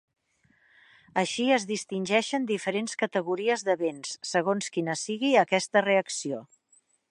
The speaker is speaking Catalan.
Així es distingeixen diferents categories de béns, segons quina sigui aquesta reacció.